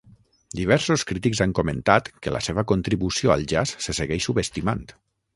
Diversos crítics han comentat que la seva contribució al jazz se segueix subestimant.